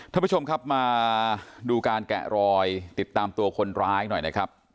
ท่านผู้ชมครับมาดูการแกะรอยติดตามตัวคนร้ายหน่อยนะครับ